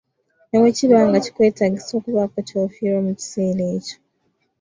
Ne bwe kiba nga kikwetaagisa okubaako ky'ofiirwa mu kiseera ekyo.